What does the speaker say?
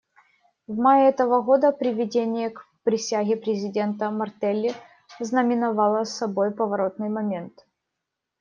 В мае этого года приведение к присяге президента Мартелли знаменовало собой поворотный момент.